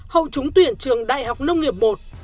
hậu trúng tuyển trường đại học nông nghiệp một